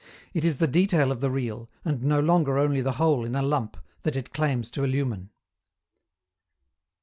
It is the detail of the real, and no longer only the whole in a lump, that it claims to illumine.